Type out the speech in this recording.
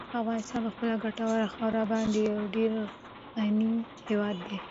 افغانستان په خپله ګټوره خاوره باندې یو ډېر غني هېواد دی.